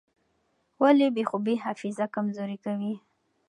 ولې بې خوبي حافظه کمزورې کوي؟